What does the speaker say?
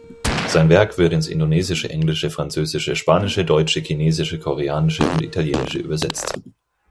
Sein Werk wird ins Indonesische, Englische, Französische, Spanische, Deutsche, Chinesische, Koreanische und Italienische übersetzt.